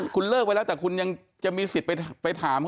คุณเลิกไปแล้วแต่คุณยังจะมีสิทธิ์ไปถามเขา